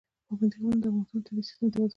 پابندی غرونه د افغانستان د طبعي سیسټم توازن ساتي.